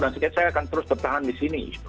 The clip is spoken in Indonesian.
dan saya akan terus bertahan di sini